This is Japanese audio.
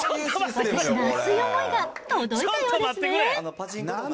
私の熱い思いが届いたようですね。